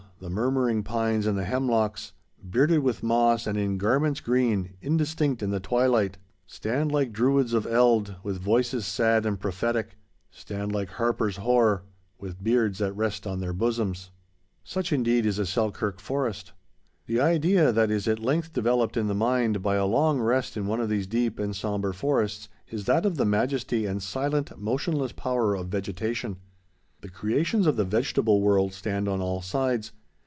The murmuring pines and the hemlocks, Bearded with moss and in garments green, indistinct in the twilight, Stand like Druids of eld, with voices sad and prophetic,— Stand like harpers hoar, with beards that rest on their bosoms." [Illustration: Head of Rocky Mountain Sheep.] Such indeed is a Selkirk forest. The idea that is at length developed in the mind, by a long rest in one of these deep and sombre forests, is that of the majesty, and silent, motionless power of vegetation. The creations of the vegetable world stand on all sides.